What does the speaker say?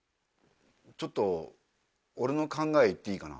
ちょっと俺の考え言っていいかな？